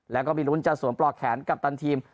แล้วก็มีลุ้นจะสวมปลอกแขนกัปตันทีม